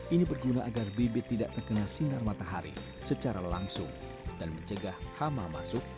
ini berguna agar bibit tidak terkena sinar matahari secara langsung dan mencegah hama masuk